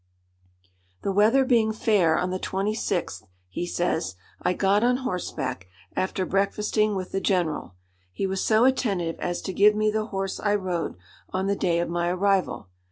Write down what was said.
"The weather being fair on the 26th," he says, "I got on horseback, after breakfasting with the General. He was so attentive as to give me the horse I rode on the day of my arrival.